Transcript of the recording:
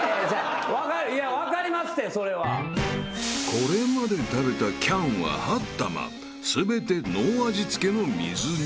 ［これまで食べたキャンは８玉全てノー味付けの水煮］